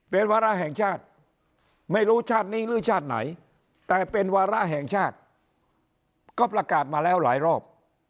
เป็นวาระแห่งชาติไม่รู้ชาตินี้หรือชาติไหนแต่เป็นวาระแห่งชาติก็ประกาศมาแล้วหลายรอบ